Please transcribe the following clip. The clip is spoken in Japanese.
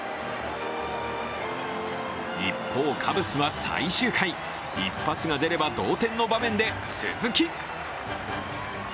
一方、カブスは最終回一発が出れば同点の場面で鈴木。